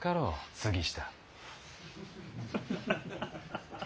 杉下。